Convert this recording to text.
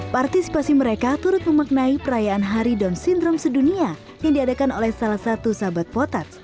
partisipasi mereka turut memaknai perayaan hari down syndrome sedunia yang diadakan oleh salah satu sahabat potat